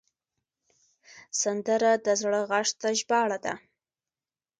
سندره د زړه غږ ته ژباړه ده